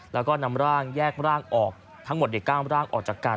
แล้วก็นำร่างแยกร่างออกทั้งหมดใน๙ร่างออกจากกัน